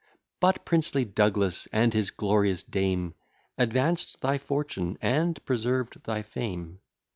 But princely Douglas, and his glorious dame, Advanced thy fortune, and preserved thy fame.